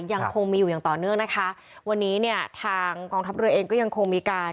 ยังคงมีอยู่อย่างต่อเนื่องนะคะวันนี้เนี่ยทางกองทัพเรือเองก็ยังคงมีการ